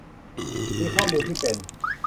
มีข้อมูลที่เป็น